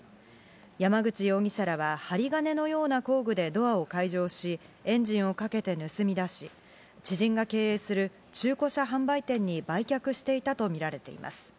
山口容疑者らは針金のような工具でドアを解錠し、エンジンをかけて盗み出し、知人が経営する中古車販売店に売却していたとみられています。